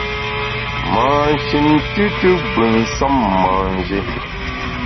Mâ shin tùtù gbù nsem manjé.